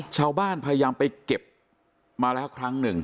พยายามไปเก็บมาแล้วครั้งหนึ่ง